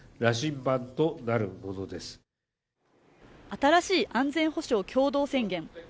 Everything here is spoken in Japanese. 新しい安全保障共同宣言。